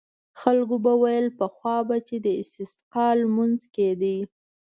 خلکو به ویل پخوا به چې د استسقا لمونځ کېده.